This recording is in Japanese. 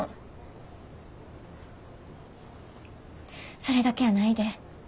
それだけやないで。